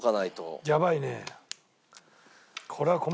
やばいね。